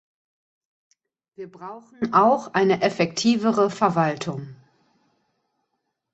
Wir brauchen auch eine effektivere Verwaltung.